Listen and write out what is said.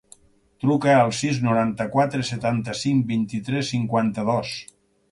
Truca al sis, noranta-quatre, setanta-cinc, vint-i-tres, cinquanta-dos.